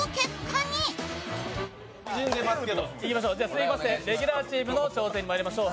続きましてレギュラーチームの挑戦にまいりましょう。